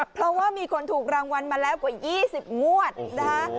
เพราะว่ามีคนถูกรางวัลมาแล้วกว่า๒๐งวดนะคะ